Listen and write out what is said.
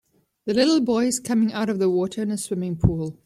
The little boy is coming out of the water in a swimming pool.